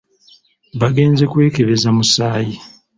Bagenze kwekebeza musaayi.